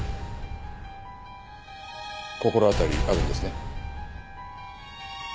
心当たりあるんですね？